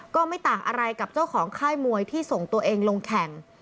ก็ไม่ต่างอะไรกับเจ้าของค่ายมวยที่ส่งตัวเองลงแข่ง